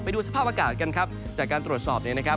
ดูสภาพอากาศกันครับจากการตรวจสอบเนี่ยนะครับ